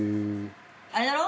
あれだろ？